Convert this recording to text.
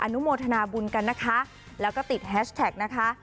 นุโมทนาบุญกันนะคะแล้วก็ติดแฮชแท็กนะคะ